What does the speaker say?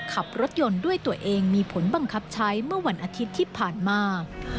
ขับรถยนต์ด้วยตัวเองมีผลบังคับใช้เมื่อวันอาทิตย์ที่ผ่านมา